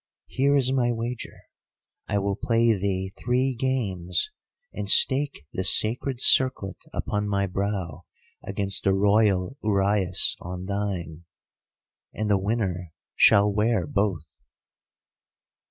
Here is my wager. I will play thee three games, and stake the sacred circlet upon my brow, against the Royal uraeus on thine, and the winner shall wear both.